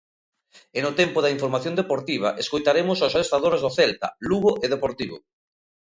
E no tempo da información deportiva, escoitaremos os adestradores de Celta, Lugo e Deportivo...